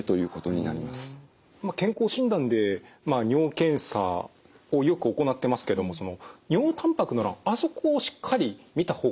健康診断で尿検査をよく行ってますけども尿たんぱくの欄あそこをしっかり見た方がいいんですね。